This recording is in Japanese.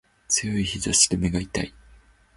強い日差しで目が痛い